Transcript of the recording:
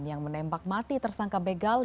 yang menembak mati tersangka begal